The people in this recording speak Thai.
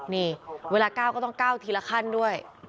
นี่เวลา๙ก็ต้องก้าวทีละขั้นด้วย